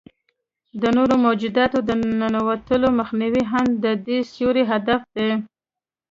د نورو موجوداتو د ننوتلو مخنیوی هم د دې سوري هدف دی.